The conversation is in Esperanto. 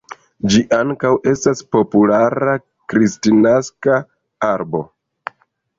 Ĝi ankaŭ estas populara kristnaska arbo.